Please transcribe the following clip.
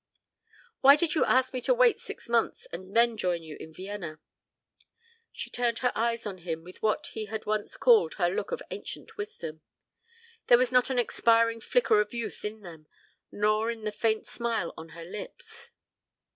"Why did you ask me to wait six months and then join you in Vienna?" She turned her eyes on him with what he had once called her look of ancient wisdom. There was not an expiring flicker of youth in them, nor in the faint smile on her lips.